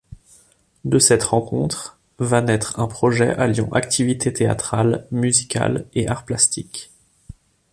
De cette rencontre va naître un projet alliant activités théâtrales, musicales et arts plastiques.